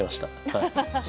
はい。